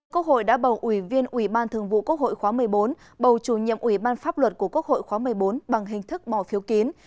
quốc hội đã bầu ủy viên ủy ban thường vụ quốc hội khóa một mươi bốn bầu chủ nhiệm ủy ban pháp luật của quốc hội khóa một mươi bốn bằng hình thức bỏ phiếu kín